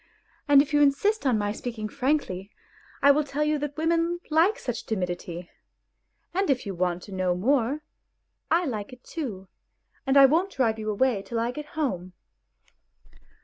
And if you insist on my speaking frankly, I will tell you that women like such timidity; and if you want to know more, I like it too, and I won't drive you away till I get home."